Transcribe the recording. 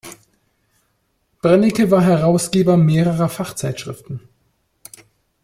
Brennecke war Herausgeber mehrerer Fachzeitschriften.